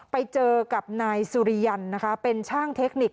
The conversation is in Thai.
ไปเจอกับนายสุริยันนะคะเป็นช่างเทคนิค